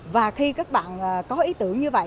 và khi các bạn có ý tưởng như vậy